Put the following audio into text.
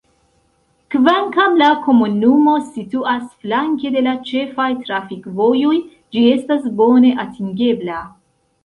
Kvankam la komunumo situas flanke de la ĉefaj trafikvojoj ĝi estas bone atingebla.